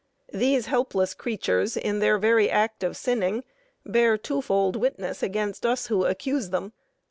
These helpless creatures, in their very act of sinning, bear twofold witness against us who accuse them.